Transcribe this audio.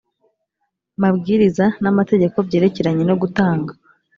mabwiriza n amategeko byerekeranye no gutanga